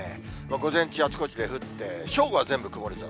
午前中あちこちで降って、正午は全部曇り空。